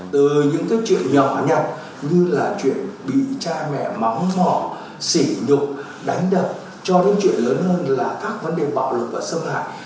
từ những cái chuyện nhỏ nhặt như là chuyện bị cha mẹ mắng thỏ xỉ nhục đánh đập cho đến chuyện lớn hơn là các vấn đề bạo lực và xâm hại